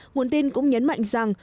nguồn tin cũng nhấn mạnh rằng